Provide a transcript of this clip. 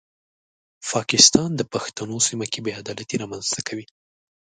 پاکستان د پښتنو سیمه کې بې عدالتي رامنځته کوي.